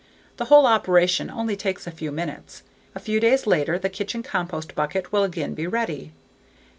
The whole operation only takes a few minutes. A few days later the kitchen compost bucket will again be ready.